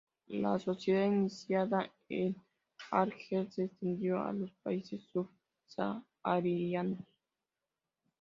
La sociedad iniciada en Argel se extendió a los países subsaharianos.